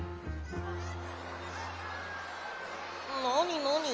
なになに？